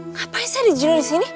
ngapain saya di juno disini